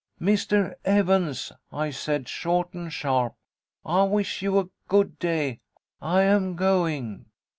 'Mr. Evans,' I said, short and sharp, 'I wish you a good day. I am going.'